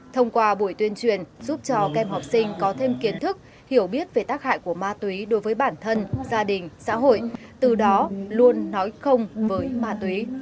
thông qua buổi tuyên truyền giúp cho kem học sinh có thêm kiến thức hiểu biết về tác hại của ma túy đối với bản thân gia đình xã hội từ đó luôn nói không với ma túy